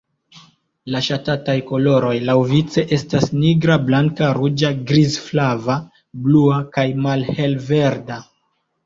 La ŝatataj koloroj laŭvice estas nigra, blanka, ruĝa, grizflava, blua kaj malhelverda.